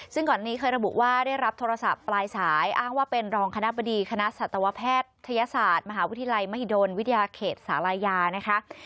ซึ่งก่อนนี้เคยระบุว่าได้รับโทรศัพท์ปลายสายอ้างว่าเป็นรองคณะบดีคณะสัตวแพทยศาสตร์มหาวิทยาลัยมหิดลวิทยาเขตศาลายานะคะ